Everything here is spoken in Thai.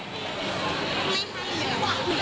ไม่มีหรอก